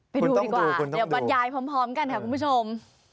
ไปดูดีกว่าเดี๋ยวบรรยายพร้อมกันค่ะคุณผู้ชม